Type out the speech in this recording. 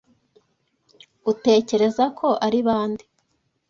Utekereza ko ari bande